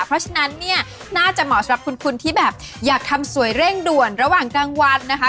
เพราะฉะนั้นเนี่ยน่าจะเหมาะสำหรับคุณที่แบบอยากทำสวยเร่งด่วนระหว่างกลางวันนะคะ